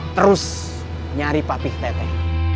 terus nyari papi teteh